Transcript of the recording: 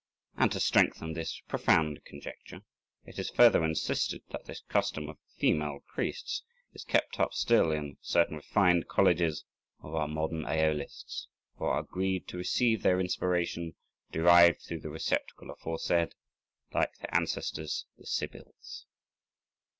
And to strengthen this profound conjecture, it is further insisted that this custom of female priests is kept up still in certain refined colleges of our modern Æolists , who are agreed to receive their inspiration, derived through the receptacle aforesaid, like their ancestors the Sybils.